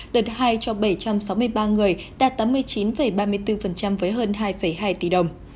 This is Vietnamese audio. đợt hai cho bảy trăm sáu mươi ba người đạt tám mươi chín ba mươi bốn với hơn hai hai tỷ đồng